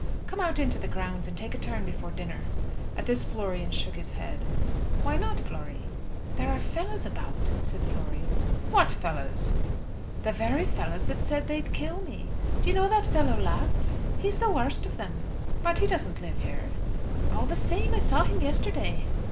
"Come out into the grounds, and take a turn before dinner." At this Florian shook his head. "Why not, Flory." "There are fellows about," said Flory. "What fellows?" "The very fellows that said they'd kill me. Do you know that fellow Lax? He's the worst of them." "But he doesn't live here." "All the same, I saw him yesterday."